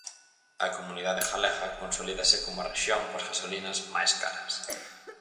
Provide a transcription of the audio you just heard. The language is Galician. A comunidade galega consolídase como a rexión coas gasolinas máis caras